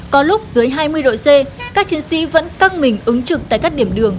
có lúc dưới hai mươi độ c các chiến sĩ vẫn căng mình ứng trực tại các điểm đường